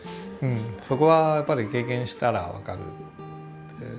そこはやっぱり経験したら分かる。